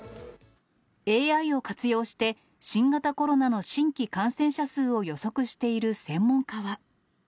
ＡＩを活用して、新型コロナの新規感染者数を予測している専門家は。